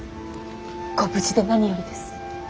ご無事で何よりです。